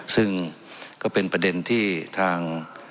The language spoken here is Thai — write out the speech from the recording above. ซึ่งก็เป็นประเด็นที่ทาง